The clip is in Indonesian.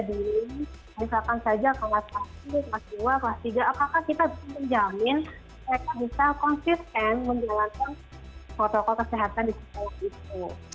apakah kita bisa menjamin mereka bisa konsisten menjalankan protokol kesehatan di sekolah itu